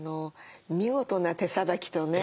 見事な手さばきとね